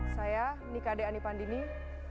saya nik kadek ani pandini judo indonesia